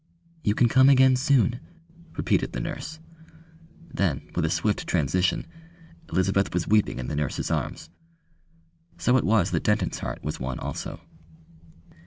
"You can come again soon," repeated the nurse. Then with a swift transition Elizabeth was weeping in the nurse's arms. So it was that Denton's heart was won also.